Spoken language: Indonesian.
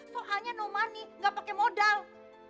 soalnya no money gak pake modal